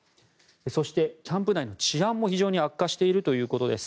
そして、キャンプ内の治安も非常に悪化しているということです。